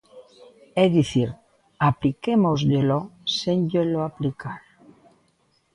É dicir, apliquémosllelo sen llelo aplicar.